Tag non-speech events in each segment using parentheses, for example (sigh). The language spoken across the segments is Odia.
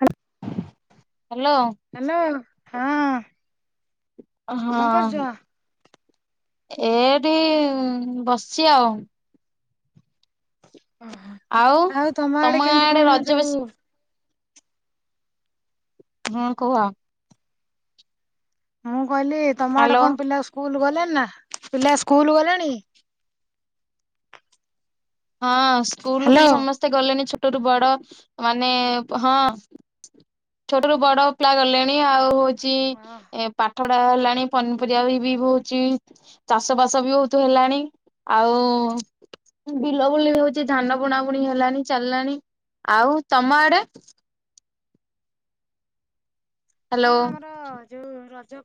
ହ ହାଲୋ। ହଁ। କଣ କରୁଛ? ହଁ। ଏଇଠି ବସିଛି ଆଉ। ଓହୋ ଆଉ ତମ ଆଡେ କେମିତି କଣ ଯୋଉ ହୁଁ କୁହ। ମୁଁ କହିଲି ତମ ଆଡେ ହାଲୋ କଣ ପିଲା ସ୍କୁଲ ଗଲେଣି? ନା ପିଲା ସ୍କୁଲ ଗଲେଣି? ହଁ ସ୍କୁଲୁ ହ୍ୟାଲୋ। ପିଲା ସମସ୍ତେ ଗଲେଣିି। ଛ ଟ ରୁ ବଡ ମାନେ ହଁ। ଛୋଟ ରୁ ବଡ ପିଲା ଗଲେଣି ଆଉ ହଉଚି। ଏ ହଁ ପା ପାଠପଡ଼ା ହେଲାଣି। ପନିପରିବା ବି ହଉଛି ଚାଷ ବାସ ବି ବହୁତ ହେଲାଣି। ଆଉ ବିଲ ବୁଲି ହଉଛି ଧାନ ବୁଣା ବୁଣି ହେଲାଣି। ଚାଲିଲାଣି ଆଉ ତମ ଆଡେ? ହାଲୋ। ଆମର ଯୋଉ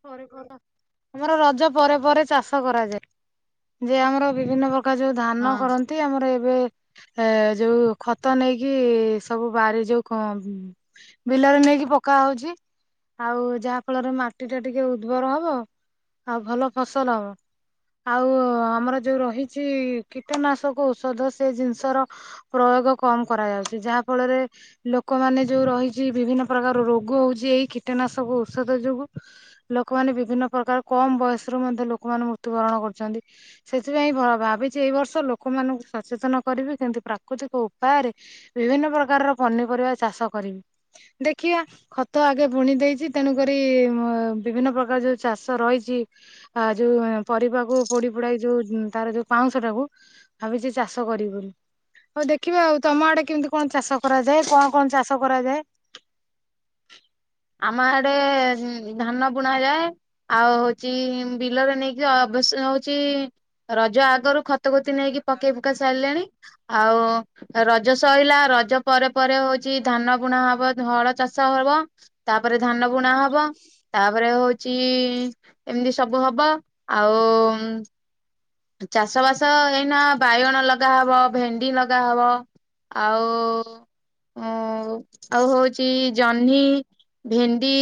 (inaudible) ଆମର ରଜ ପରେ ପରେ ଚାଷ କରାଯାଏ। ଯେ ଆମର ବିଭିନ୍ନ ପ୍ରକ ର ଯୋଉ ଧାନ ହଁ କରନ୍ତି ଆମର ଏ ଏ ଏ ଯୋଉ ଖତ ନେଇକି ସବୁ ବାରି ଯୋଉ କ ବିଲ ବିଲରେ ନେଇକି ପକା ହଉଛି। ଆଉ ଯାହା ଫଳରେ ମାଟି ଟା ଟିକେ ଉର୍ବର ହବ ଆଉ ଭଲ ଫସଲ ହବ। ଆଉ ଆମର ଯୋଉ ରହିଛି। କୀଟନାଶକ ଔଷଧ ସେ ଜିନିଷ ର ପ୍ର ରୋଗ କମ କରାଯାଉଚି। ଯାହା ଫଳରେ ଲୋକମାନେ ଯୋଉ ରହିଛି ବିଭିନ୍ନ ପ୍ରକାର ରୋଗ ହଉଛି। ଏଇ କି କୀଟନାଶକ ଔଷଧ ଯୋଗୁ ଲୋକମାନେ ବିଭିନ୍ନ ପ୍ରକାର କମ ବୟସ ରୁ ମଧ୍ୟ ଲୋକମାନେ ମୃତ୍ୟୁବରଣ କର କରୁଚନ୍ତି ସେଥିପାଇଁ ଭାବିଛି ଏଇ ବର୍ଷ ଲୋକମାନଙ୍କୁ ସଚେତନ କରିବି। କେମିତି ପ୍ରାକୃତିକ ଉପା ଆରେ ବିଭିନ୍ନ ପ୍ରକାରର ପନିପରିବା ଚାଷ କରିବି। ଦେଖିବା ଖତ ଆଗେ ବୁଣି ଦେଇଚି। ତେଣୁକରି ବିଭିନ୍ନ ପ୍ରକାର ଯୋଉ ଚାଷ ରହିଚି। ଆ ଯଉ ପ କୁ ପୋଡି ପୁଡାକି ଯୋଉ ତାର ଯୋଉ ପାଉଁଶ ଟାକୁ ଭାବିଛି ଚାଷ କରିବି ବୋଲି। ହଉ ଦେଖିବା ଆଉ ତମ ଆଡେ କେମିତି କଣ ଚାଷ କରାଯାଏ। କଣ କଣ ଚାଷ କରାଯାଏ। (unintelligible) ଆମ ଆଡ଼େ ଧାନ ବୁଣା ଯାଏ ଆଉ ହଉଛି ବିଲରେ ନେଇକି ଅ ସେ ହଉଛି ରଜ ଆଗରୁ ଖତ ଖୁତି ନେଇକି ପକେଇ ପୁକା ସାରିଲେଣି। ଆଉ ରଜ ସଇଲା ରଜ ପରେ ପରେ ହଉଛି ଧାନ ବୁଣା ହବ ହଳ ଚାଷ ଚାଷ ହବ ତାପରେ ଧାନ ବୁଣା ହବ। ତାପରେ ହଉଛି ଏମିତି ସବୁ ହବ ଆଉ ଚାଷବାସ ଏଇନା ବାଇଗଣ ଲଗା ହବ ଭେଣ୍ଡି ଲଗାହବ। ଆଉ ଆଉ ହଉଛି ଜହ୍ନି ଭେଣ୍ଡି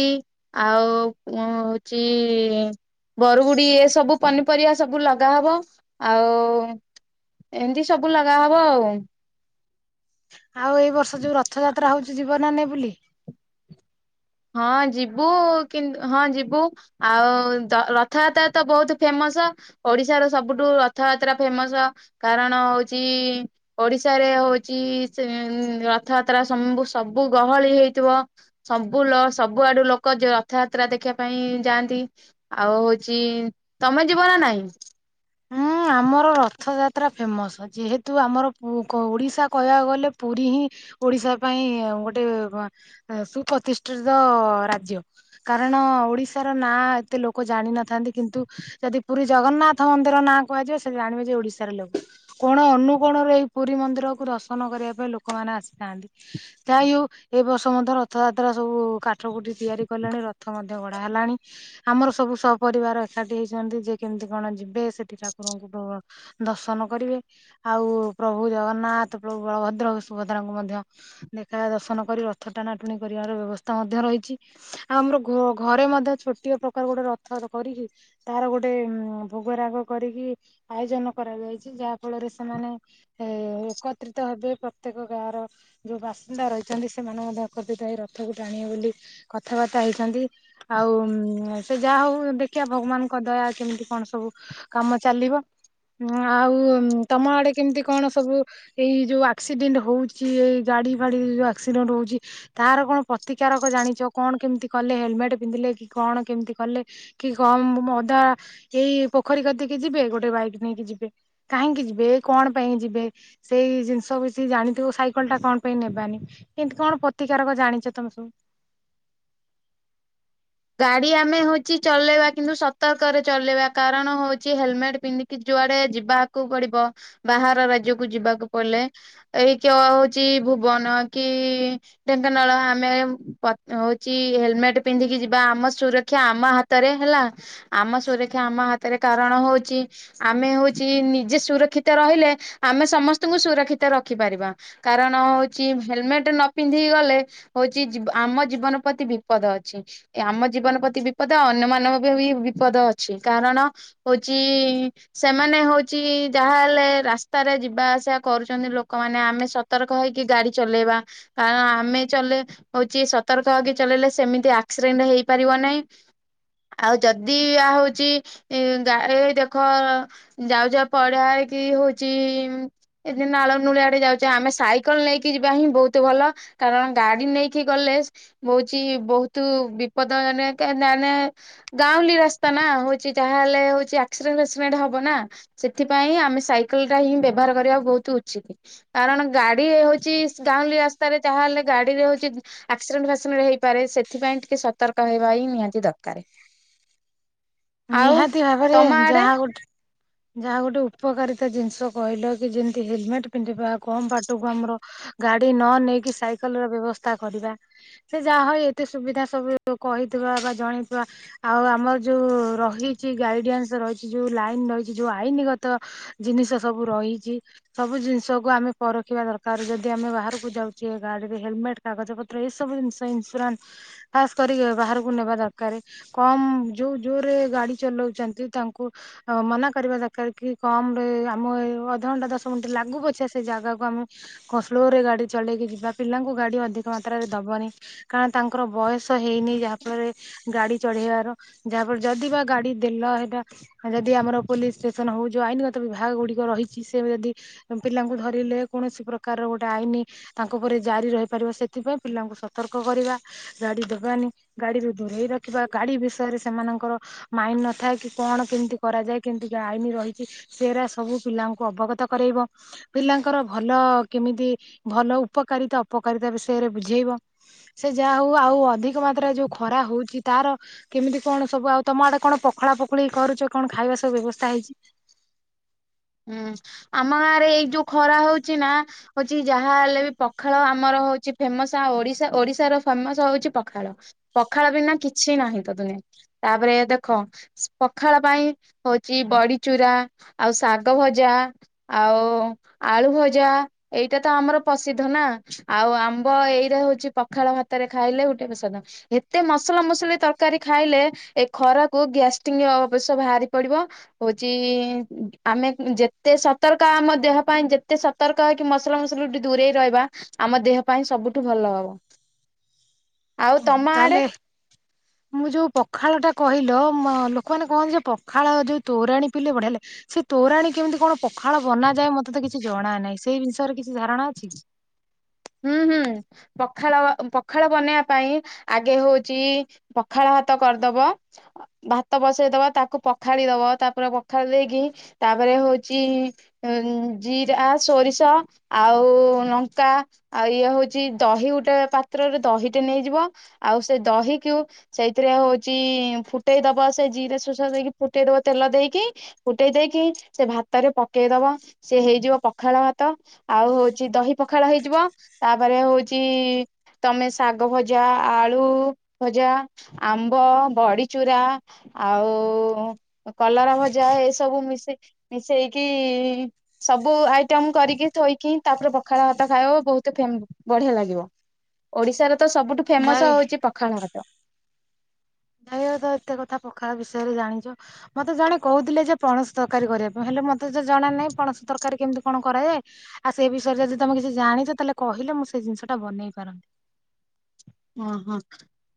ଆଉ କଣ ହଉଚି। ବରଗୁଡି଼ ଏ ସବୁ ପନିପରିବା ସବୁ ଲଗା ହବ। ଆଉ ଏମିତି ସବୁ ଲଗା ହବ ଆଉ। ଆଉ ଏଇ ବର୍ଷ ଯୋଉ ରଥଯାତ୍ରା ହଉଛି ଜିବ ନା ନାହିଁ ବୁଲି? ହଁ ଯିବୁ କି ହଁ ଯିବୁ ଆଉ ରଥଯାତ୍ରା ତ ବହୁତ ଫେମ (unintelligible) ଓଡ଼ିଶା ର ସବୁଠୁ ରଥଯାତ୍ରା ଫେମସ୍ କାରଣ ହଉଛି ଓଡ଼ିଶା ରେ ହଉଛି ରଥଯାତ୍ରା ସବୁ ଗହଳି ହେଇଥିବ ସ (unintelligible) ସବୁଆଡୁ ଲୋକ ରଥଯାତ୍ରା ଦେଖିବା ପାଇଁ ଯାଆନ୍ତି ଆଉ ହଉଛି ତ ତମେ ଜିବ ନା ନାହିଁ? (unintelligible) ଆମର ରଥଯାତ୍ରା ଫେମସ୍ ଯେହେତୁ ଆମର ଓଡ଼ିଶା କହିବାକୁ ଗଲେ ପୁରୀ ହିଁ ଓଡ଼ିଶା ପାଇଁ ଗୋଟେ ସୁପ୍ରତିଷ୍ଠିତ ରାଜ୍ୟ କାରଣ ହଁ ଓଡ଼ିଶାର ନାଁ ଏତେ ଲୋକ ଜାଣିିନଥାନ୍ତି କିନ୍ତୁ ଯଦି ପୁରୀ ଜଗନ୍ନାଥ ରଥ ମନ୍ଦିର ନାଁ କୁହାଯିବ ସେ ଜାଣିବେ ଯେ ଓଡ଼ିଶା ର ଲୋକ କୋଣ ଅନୁକୋଣରେ ଏଇ ପୁରୀ ମନ୍ଦିରକୁ ଦର୍ଶନ କର ବା ପାଇଁ ଲୋକମାନେ ଆସିଥାନ୍ତି ଯାହିହଉ ଏ ବର୍ଷ ମଧ୍ୟ ରଥଯାତ୍ରା ସବୁ କାଠ କୁଟି ତିଆରି କଲେଣି ରଥ ମଧ୍ୟ ଗଢ଼ା ହେଲାଣି ଆମର ସବୁ ସପରିବାର ଏକାଠି ହେଇଛନ୍ତି ଯେ କେମିତି କଣ ଯି ଯିବେ ସେଠି ଠାକୁରଙ୍କୁ ଦର୍ଶନ କରିବେ ଆଉ ପ୍ରଭୁ ଜଗନ୍ନାଥ ପ୍ରଭୁ ବଳଭଦ୍ର ସୁଭଦ୍ରାଙ୍କୁ ମଧ୍ୟ ଦେଖା ଦର୍ଶନ କରି ରଥ ଟାଣା ଟୁଣି କରିବାର ବ୍ୟବସ୍ଥା ମଧ୍ୟ ରହିଛି ଆଉ ଆମର ଘରେ ମ ଛୋଟିଆ ପ୍ରକାର ଗୋଟେ ରଥ କରିକି ତାର ଗୋଟେ ଭୋଗ ରାଗ କରିକି ଆୟୋଜନ କରାଯାଇଛି ଯାହା ଫଳରେ ସେମାନେ ଏ ଏକତ୍ରିତ ହେବେ ପ୍ରତ୍ୟେକ ଗାଁ ର ଯୋଉ ବାସିନ୍ଦା ରହିଛନ୍ତି ସେମାନେ ମଧ୍ୟ ଏକତ୍ରିତ ହୋଇ ରଥକୁ ଟାଣିବେ ବୋଲି କଥାବାର୍ତ୍ତା ହେଇଛନ୍ତି ଆଉ ସେ ଯାହା ହଉ ଦେଖିବା ଭଗବାନଙ୍କ ଦୟା କେମିତି କଣ ସବୁ କାମ ଚାଲିବ। ହଁ ଆଉ ତମ ଆଡ଼େ କେମିତି କଣ ସବୁ ଏଇ ଯୋଉ ଆକ୍ସିଡେଣ୍ଟ୍ ହଉଛି ଏଇ ଗାଡ଼ି ଫାଡ଼ି ଯୋଉ ଆକ୍ସିଡେଣ୍ଟ ହଉଛି ତାର କଣ ପ୍ରତିକାରକ ଜାଣିଛ କଣ କେମିତି କଲେ ହେଲମେଟ୍ ପିନ୍ଧିଲେ କି କଣ କେମିତି କଲେ କି କଣ ମଦା ଏଇ ପୋଖରୀ କତିକି ଯିବେ ଗୋଟେ ବାଇକ୍ ନେଇକି ଯିବେ କାହିଁକି ଯିବେ କଣ ପାଇଁ ଯିବେ ସେଇ ଜିନିଷ (unintelligible) ଜାଣିଥିବ ସାଇକେଲ ଟା କଣ ପାଇଁ ନେବାନି କେମତି କଣ ପ୍ରତିକାରକ ଜାଣିଛ ତମେ ସବୁ? (inaudible) ଗାଡ଼ି ଆମେ ହଉଛି ଚଲେଇବା କିନ୍ତୁ ସତର୍କରେ ଚଲେଇବା କାରଣ ହଉଛି ହେଲମେଟ ପିନ୍ଧିକି ଜୋ ଜୁଆଡେ ଯିବାକୁ ପଡ଼ିବ ବାହାର ରାଜ୍ୟକୁୁ ଯିବାକୁ ପଡିଲେ ଏଇ କ ହଉଛି ଭୁ ଭୁବନ କି ଢେଙ୍କାନଳ ଆମେ ହଉଛି ହେଲମେଟ ପିନ୍ଧିକି ଯି ବା ଆମ ସୁରକ୍ଷା ଆମ ହାତରେ ହେଲା ଆମ ସୁରକ୍ଷା ଆମ ହାତରେ କାରଣ ହଉଛି ଆମେ ହଉଛି ନିଜେ ସୁରକ୍ଷିତ ରହିଲେ ଆମେ ସମସ୍ତଙ୍କୁ ସୁରକ୍ଷିତ ରଖିପାରିବା କାରଣ ହଉଛି ହେଲମେଟ୍ ନ ପିନ୍ଧିକି ଗଲେ ହଉଛି ଆମ ଜୀବନ ପ୍ରତି ବିପଦ ଅଛି। ଆମ ଜୀବନ ପ୍ରତି ବିପଦ ଅନ୍ୟମାନ ଙ୍କ ବି ବିପଦ ଅଛି କାରଣ ହଉଛି ସେମାନେ ହଉଛି ଯାହା ହେଲେ ରାସ୍ତାରେ ଯିବା ଆସିବା କରୁଛନ୍ତି ଲୋକମାନେ ଆମେ ସତର୍କ ହୋଇ ଗାଡ଼ି ଚଲେଇବା କାରଣ ଆମେ ଚଲେ ହଉଛି ସତର୍କ ହେଇ କି ଚଲେଇଲେ ସେମିତି ଆ ଆକ୍ସିଡେଣ୍ଟ୍ ହେଇପାରିବ ନାଇଁ। ଆଉ ଯଦି ଏୟା ହଉଛି ଗାଈ ଦେଖ ଯାଉଛ ପଡିଆ ହେଇ କି ହଉଛି ଏ ନାଳ ନୁଳିଆଡେ଼ ଯାଉଛେ ଆମେ ସାଇକେଲ ନେଇକି ଯିବା ହିଁ ବହୁତ୍ ଭଲ। କାରଣ ଗାଡି ନେଇକି ଗଲେ ହୋଉଚି ବୋହୁତ ତୁ ବିପଦ ମାନେ ଗାଉଁଲି ରାସ୍ତା ନା ହୋଉଚି ଯାହାହଲେ ହୋଉଚି ଆକ୍ସିଡେଣ୍ଟ ପେସମେଣ୍ଟ ହବ ନା ସେଥିପାଇଁ ଆମେ ସାଇକେଲ ଟା ହିଁ ବ୍ୟବହାର କରିବାକୁ ବୋହୁତ ଉଚିତ କାରଣ ଗାଡି ହୋଉଚି ଗାଉଁଲି ରାସ୍ତାରେ ଯାହାହଲେ ଗାଡି ରେ ହୋଉଚି ଆକ୍ସିଡେଣ୍ଟ ଫକ୍ସିଡେଣ୍ଟ ହେଇପାରେ ସେତ୍ ଏଥିପାଇଁ ଟିକେ ସତର୍କ ହେବା ହିଁ ନିହାତି ଦରକାର। ଆଉ ନିହାତି ଭାବରେ ତମ ଆଡେ ଯାହା ଗୋଟେ ଯାହା ଗୋଟେ ଉପକାରିତା ଜିନିଷ କହିଲ କି ଯେମିତି ହେଲମେଟ ପିନ୍ଧିବା କମ ବାଟକୁ ଆମର ଗାଡି ନ ନେଇକି ସାଇକେଲ ର ବ୍ୟବସ୍ଥା କରିବା। ସେ ଯାହା ହ ଏତେ ସୁବିଧା ସବୁ କହି ଥିବା ବା ଜଣେଇଥିବା ଆଉ ଆମର ଯୋଉ ରହିଚି ଗାଇଡେନ୍ସ ରହିଚି ଯୋଉ ଲାଇନ ରହିଚ୍ ଯୋଉ ଆଇନଗତ ଜିନିଷ ସବୁ ରହିଚି ସବୁ ଜିନିଷକୁ ଆମେ ପରଖିବା ଦରକାର ଯଦି ଆମେ ବାହାରକୁ ଯାଉଚେ ଗାଡିରେ ହେଲମେଟ କାଗଜ ପତ୍ର ଏ ସବୁ ଜିନିଷ ଇନ୍ସୁରାନ୍ ଖାସ୍ କରି ବା ବାହାରକୁ ନେବା ଦରକାର କମ ଯୋଉ ଜୋରେ ଗାଡି ଚଲୋଉଚନ୍ତି ତାଙ୍କୁ ମନା ଦର କି କମରେ ଆମ ଇଏ ଅଧଘଣ୍ଟା ଦଶ ମିନିଟ ଲାଗୁ ପଛେ ସେ ଜାଗାକୁ ଆମ କନ୍ସ ରେ ଗାଡି ଚଳେଇକି ଯିବା ପିଲାଙ୍କୁ ଗାଡି ଅଧିକ ମାତ୍ରାରେ ଦବନି କାରଣ ତାଙ୍କର ବୟସ ହେଇନି ଯାହା ତାପରେ ଗାଡି ଚଢେଇବାର ଯାହାଫଳରେ ଯଦି ବା ଗାଡି ଦେଲ ହେଟା ଯଦି ଆମର ପୋଲିସ ଷ୍ଟେସନ ହୋଉ ଯେଉଁ ଆଇନଗତ ବିଭାଗ ଗୁଡ଼ିକ ରହିଚି ସେ ଯଦି ପିଲାଙ୍କୁ ଧରିଲେ କୌଣସି ପ୍ରକାର ଗୋଟେ ଆଇନ ତାଙ୍କ ଉପ ଜାରି ରହିପାରିବ ସେଥିପାଇଁ ପିଲାଙ୍କୁ ସତର୍କ କରିବା ଗାଡି ଦବାନି। ଗାଡିରୁୁ ଦୂରେଇ ରଖିବା ଗାଡି ବିଷୟରେ ସେମାନଙ୍କର ମାଇଣ୍ଡ ନଥାଏ କି କଣ କେମିତି କରାଯାଏ। କେମିତିକା ଆଇନ ରହିଚି ସେରା ସବୁ ପିଲାଙ୍କୁ ଅବଗତ କରେଇବ ପିଲାଙ୍କର ଭଲ କିମ୍ କେମିତି ଭଲ ଉପକାରିତା ଅପକାରିତା ବିଷୟରେ ବୁଝେଇବ। ସେ ଯାହା ହୋଉ ଆଉ ଅଧିକ ମାତ୍ରାରେ ଯୋଉ ଖରା ହୋଉଚି ତାର କେମିତି କଣ ସବୁ ଆଉ ତମ ଆଡେ କଣ ପ୍ ପଖଳା ପୋଖଳି କରୁଛ କଣ ଖାଇବା ସବୁ ବ୍ୟବସ୍ଥା ହେଇଛି? ହୁଁ ଆମ ଗାଁ ରେ ଏଇ ଯୋଉ ଖରା ହଉଛି ନା ହଉଛି ଯାହା ହେଲେ ବି ପଖାଳ ଆମର ହଉଛି ଫେମସ ଆଉ ଓଡିଶା ଓଡିଶାର ଫେମସ ହଉଛି ପଖାଳ ପଖାଳ ବିନା କିଛି ନାହିଁ ତ ଦୁନିଆ। ତାପରେ ଦେଖ ପଖାଳ ପାଇଁ ହଉଛି ବଡି ଚୁରା ଆଉ ଶା ଶାଗ ଭଜା ଆଉ ଆଳୁ ଭଜା ଏଇଟା ତ ଆମର ପ୍ରସିଦ୍ଧ ନା ଆଉ ଆଉ ଆମ୍ବ ଏଇଟା ହଉଛି ପଖାଳ ଭାତରେ ଖାଇଲେ ଗୋଟେ ପ୍ରସାଦ ଏତେ ମସଲା ମସଲି ତରକାରୀ ଖାଇ ହେଲେ ଏ ଖରାକୁ ଗ୍ୟାଷ୍ଟିଙ୍ଗ ଅବଶ୍ୟ ବାହାରି ପଡିବ ହଉଛି ଆମେ ଯେତେ ସତର୍କ ଆମ ଦେହ ପାଇଁ ଯେତେ ସତର୍କ ହେକି ମସଲା ମସଲା ଟେ ଦୂରେଇ ରହିବା ଆମ ଦେହ ପାଇଁ ସବୁଠୁ ଭଲ ହବ। ଆଉ ତମ ଆଡେ? ତାହେଲେ ମୁଁ ଯୋଉ ପଖାଳଟା କହିଲ ଲୋକମାନେ କହନ୍ତି ଯେ ପଖାଳ ଯୋଉ ତୋରାଣୀ ପିଇଲେ ବଢିଆ ଲାଗେ ସେ ତୋରାଣୀ କେମିତି କଣ ପଖାଳ ବନାଯାଏ ମତେ ତ କିଛି ଜଣା ନାହିଁ ସେଇ ବିଷୟରେ କିଛି ଧାରଣା ଅଛି। ହୁଁ ହୁଁ ପଖାଳ ପଖାଳ ବନେଇବା ପାଇଁ ଆଗେ ହଉଛି ପଖାଳ ଭାତ କରିଦବ ଭାତ ବସେଇଦବା ତାକୁ ପଖାଳି ଦବା ତାପରେ ପଖାଳ ଦେଇକି ତା ତାପରେ ହଉଛି ଉ ଜିରା ସୋରିଷ ଆଉ ଲଙ୍କା ଆଉ ଇଏ ହଉଛି ଦହି ଗୋଟେ ପାତ୍ରରେ ଦହିଟେ ନେଇଯିବ ଆଉ ସେ ଦହିକୁ ସେଇଥିରେ ହଉଛି ଫୁଟେଇ ଦବ ସେ ଜିରା ସୁସାଦ ଦେଇକି ଫୁଟେଇ ଦବ ତେଲ ଦେଇକି ଫୁଟେଇ ଦେଇକି ସେ ଭାତରେ ପକେଇ ଦବ ସେ ହେଇଯିବ ପଖାଳ ଭାତ ଆଉ ହଉଛି ଦହି ପଖାଳ ହେଇଯିବ ତାପରେ ହଉଛି ତମେ ଶାଗ ଭଜା ଆଳୁ ଭଜା ଆ ଆମ୍ବ ବଡିରୁରା ଆଉ କଲରା ଭଜା ଏସବୁ ମିଶିକି ମିଶେଇକି ସବୁ ଆଇଟମ କରିକି ଥୋଇକି ତାପରେ ପଖାଳ ଭାତ ଖାଇବ ବହୁତ ତ ଫେମ୍ ବଢିଆ ଲାଗିବ ଓଡିଶାର ତ ସବୁଠୁ ଫେମସ ଯାଇ ହଉଛି ପଖାଳ ଭାତ। (unintelligible) ଏତେ କଥା ପଖାଳ ବିଷୟରେ ଜାଣିଛ ମତେ ଜଣେ କହୁଥିଲେ ଯେ ପଣସ ତରକାରୀ କରିବା ପାଇଁ ହେଲେ ମତେ ତ ଜଣା ଜଣା ନାଇଁ ପଣସ ତରକାରୀ କେମିତି କଣ କରାଯାଏ ଆଉ ସେ ବିଷୟରେ ଯଦି ତମେ କିଛି ଜାଣିଛ ତାହେଲେ କହିଲେ ମୁଁ ସେ ଜିନିଷ ଟା ବନେଇ ପାରନ୍ତି। ଓ ହୋ।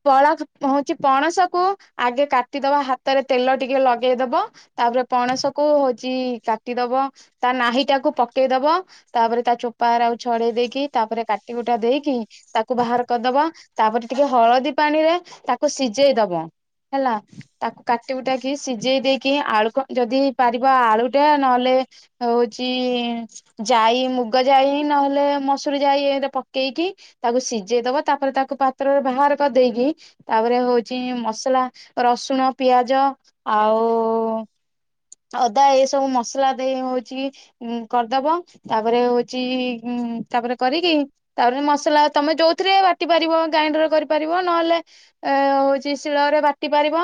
ବଳ ହଉଛି ପଣସକୁ ଆଗେ କାଟିଦବ ହାତରେ ତେଲ ଟିକେ ଲଗେଇଦବ ତା ପରେ ପଣସକୁ ହଉଚି କାଟିଦବ ତା ନାହି ଟାକୁ ପକେଇ ଦବ ତାପରେ ତା ଚୋପା ରାକୁ ଛଡେଇ ଦେଇକି ତାପରେ କାଟି କୁଟା ଦେଇକି ତାକୁ ବାହାର କରିଦବ। ତାପରେ ଟିକେ ହଳଦୀ ପାଣିରେ ତାକୁ ସିଜେଇ ଦବ। ହେଲା ତାକୁ କାଟିି କୁଟାକି ସିଝେଇ ଦେଇକି ଆଳୁ କଣ ଯଦି ପାରିବ ଆଳୁଟା ନହେଲେ ହଉଚି ଜାଇ ମୁଗ ଜାଇ ନହେଲେ ମସୁରୀ ଜାଇ ପକେଇକି କି ତାକୁ ସିଝେଇ ଦବ ତାପରେ ତାକୁ ପାତ୍ରରେ ବାହାର କରିଦେଇକି ତାପରେ ହଉଚି ମସଲା, ରସୁଣ ପିଆଜ ଆ ଆଉ ଅଦା ଏସବୁ ମସଲା ଦେଇ ହଉଚି ଉଁ କରିଦବ ତାପରେ ହଉଚି ହୁଁ ତାପରେ କରିକି ତାପରେ ମସଲା ତମେ ଯୋଉଥିରେ ବାଟି ପାରିବ। ଗ୍ରାଇଣ୍ଡର କରିପାରିବ ନହେଲେ ଏ ହଉଚି ଶିଳରେ ବାଟି ପାରିବ।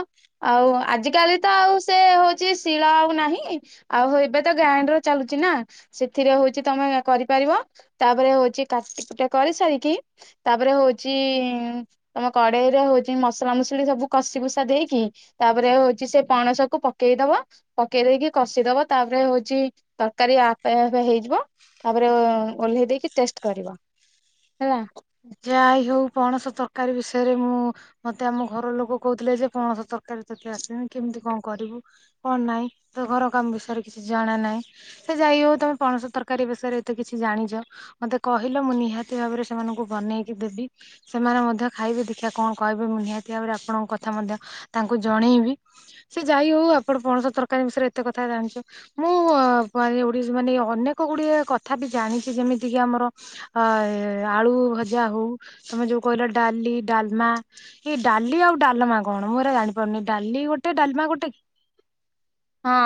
ଆଉ ଆଜିକାଲି ତ ଆଉ ସେ ହଉଛି ଶିଳ ଆଉ ନାହିଁ ଆଉ ଏବେ ତ ଗ୍ରାଇଣ୍ଡର ଚାଲୁ ଛି ନା ସେଥିରେ ହଉଚି ତମେ କରିପାରିବ ତାପରେ ହଉଚି କାଟି କୁଟା କରି ସାରିକି ତାପରେ ହଉଚି ଇ ତମ କଡେଇରେ ହଉଚି ମସଲା ମସଲି ସବୁ କଷି କୁଷା ଦେଇକି ତାପରେ ହଉଚି ସେ ପଣସକୁ ପକେଇ ଦବ ପକେଇ ଦେଇକି କଷି ଦବ ତାପରେ ହଉଚି ତରକାରୀ ଆପେ ଆପେ ହେଇଯିବ ତାପରେ ଓଲ୍ହେଇ ଦେଇକି ଟେଷ୍ଟ କରିବ। ହେଲା। ଯାହା ବି ହଉ ପଣସ ତରକାରୀ ବିଷୟରେ ମୁଁ ମତେ ଆମ ଘର ଲୋକ କହୁଥିଲେ ଯେ ପଣସ ତରକ କାରୀ ତତେ ଆସନି କେମିତି କଣ କରିବୁ କଣ ନାହିଁ ତ ଘର କାମ ବିଷୟରେ କିଛି ଜାଣା ନାହିଁ। ସେ ଯାହି ହଉ ତମେ ପଣସ ତରକାରୀ ବିଷୟରେ ଏତେ କିଛି ଜାଣିଚ, ମତେ କହିଲ ମୁଁ ନିହାତି ଭାବରେ ସେମାନଙ୍କୁ ବନେଇକି ଦେବି ସେମାନେ ମଧ୍ୟ ଖାଇବେ ଦେଖିଆ କଣ କହିବେ ମୁଁ ନିହାତି ଭାବରେ ଆପଣଙ୍କ କଥା ମଧ୍ୟ ତା ଙ୍କୁ ଜଣେଇବି ସେ ଯାଇ ହଉ ଆପଣ ପଣସ ତରକାରୀ ବିଷୟରେ ଏତେ କଥା ଜାଣିଚ ମୁଁ ଅ ବ ମାନେ (unintelligible) ମାନେ ଅନେକ ଗୁଡ଼ିଏ କଥା ବି ଜାଣିଛି ଯେମିତି କି ଆମର ଆ ଆଳୁ ପୂଜା ହଉ ତମେ ଯୋଉ କହିଲ ଡାଲି ଡାଲମା ଇଏ ଡାଲି ଆଉ ଡାଲମା କଣ ମୁଁ ଏରା ଜାଣିପାରୁ ଡାଲି ଗୋଟେ ଡାଲମା ଗୋଟେ କି? ହଁ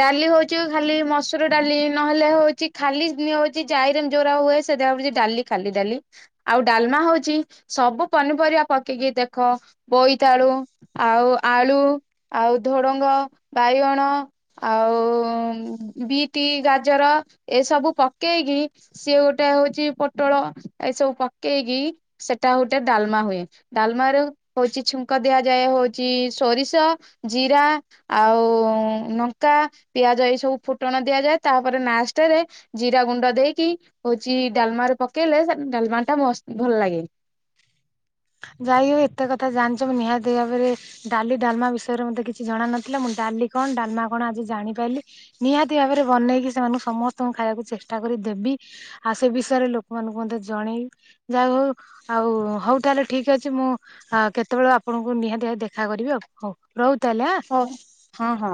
ଡାଲି ହଉଛି ଖାଲି ମସୁର ଡାଲି ନହେଲେ ହଉଚି ଖାଲି ହଉଚି ଜାଇ (unintelligible) ହୁଏ ସେଦିରା ହଉଛି ଡାଲି ଖାଲି ଡାଲି, ଆଉ ଡାଲମା ହଉଚି ସବୁ ପନିପରିବା ପକେ ଇକି ଦେଖ ବୋଇତାଳୁ ଆଉ ଆଳୁ ଆଉ ଧୋଡଙ୍ଗ ବାଇଗଣ ଆଉ ବିଟି ଗାଜର ଏସବୁ ପକେଇକି କି ସିଏ ଗୋଟେ ହଉଚି ପୋଟଳ ଏ ସବୁ ପକେଇକି ସେଟା ଗୋଟେ ଡାଲମା ହୁଏ। ଡାଲମାରୁ ହଉଚି ଛୁଙ୍କ ଦିଆଯାଏ ହଉଚି ସୋରିଷ, ଜିରା ଆଉ ନଙ୍କା, ପିଆଜ ଏଇ ସବୁ ଫୁଟଣ ଦିଆଯାଏ ତାପରେ ନାଷ୍ଟେରେ ଜିରା ଗୁଣ୍ଡ ଦେଇକି ହଉଚି ଡାଲମାରେ ପକେଇଲେ ସେ ଡାଲମାଟା ମସ୍ତ ଭଲ ଲାଗେ। ଯାଇ ହଉ ଏତେ କଥା ଜାଣିଚ, ମୁଁ ନିହାତି ଭାବେରେ ଡାଲି ଡାଲମା ବିଷୟରେ ମତେ କିଛି ଜଣା ନଥିଲା ମୁଁ ଡା ଡାଲି କଣ ଡାଲମା କଣ ଆଜି ଜାଣି ପାଇଲି ନିହାତି ଭାବେରେ ବନେଇକି ସେମାନଙ୍କୁ ସମସ୍ତଙ୍କୁ ଖାଇବାକୁ ଚେଷ୍ଟା କରି ଦେବି ଆଉ ସେ ବିଷୟରେ ଲୋକମାନଙ୍କୁ ମଧ୍ୟ ଜଣେଇବି ଯାହା ହଉ ଆଉ ହଉ ତାହେଲେ ଠିକ୍ ଅଛି ମୁଁ ଏ କେତେବେଳେ ଆପଣଙ୍କୁ ନିହାତି ଭାବେ ଦେଖା କରିବି ଆଉ ହଉ ରହୁ ତାହେଲେ ଆଁ। ହ ହଁ ହଁ।